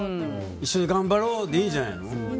一緒に頑張ろうでいいんじゃないの？